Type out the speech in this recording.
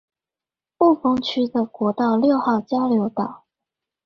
霧峰區的國道六號交流道